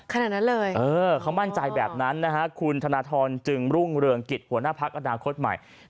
เข้ามั่นใจแบบนั้นคุณธนทรจึงรุ่งเรืองกิจหัวหน้าภักดิ์อนาคตใหม่